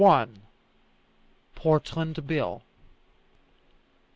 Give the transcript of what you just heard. PORTLAND BILL.